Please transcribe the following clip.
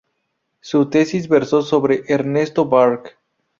Su tesis versó sobre "Ernesto Bark.